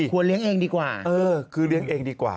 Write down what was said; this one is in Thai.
เลี้ยงเองดีกว่าเออคือเลี้ยงเองดีกว่า